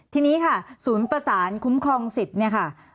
ทีนี้ค่ะศูนย์ประสานคุ้มครองสิทธิ์เนี่ยค่ะ